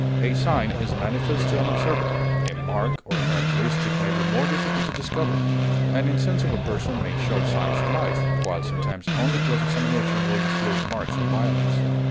A sign is manifest to an observer; a mark or a characteristic may be more difficult to discover; an insensible person may show signs of life, while sometimes only close examination will disclose marks of violence.